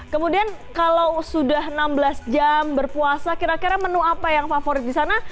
kemudian kalau sudah enam belas jam berpuasa kira kira menu apa yang favorit di sana